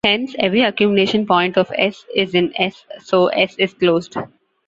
Hence, every accumulation point of "S" is in "S", so "S" is closed.